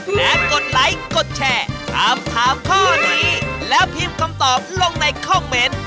และกดไลค์กดแชร์ถามถามข้อนี้แล้วพิมพ์คำตอบลงในคอมเมนต์